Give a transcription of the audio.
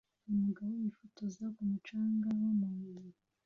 Umugabo wifotoza ku mucanga wamabuye